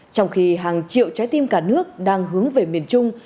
trong khi hàng triệu trái tim cả nước đang hướng về miền trung